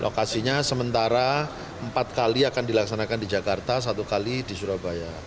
lokasinya sementara empat kali akan dilaksanakan di jakarta satu kali di surabaya